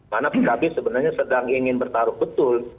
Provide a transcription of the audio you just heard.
karena pkb sebenarnya sedang ingin bertaruh betul